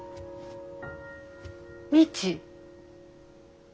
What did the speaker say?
未知。